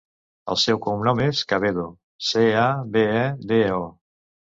El seu cognom és Cabedo: ce, a, be, e, de, o.